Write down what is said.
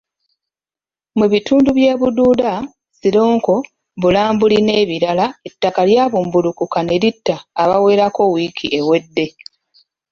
Mu bitundu by'e Bududa, Sironko, Bulambuli n'ebirala ettaka lyabumbulukuka ne litta abawerako wiiki ewedde.